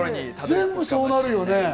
全部そうなるね。